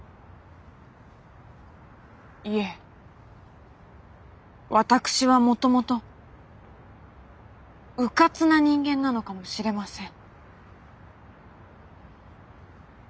いえ私はもともとうかつな人間なのかもしれません。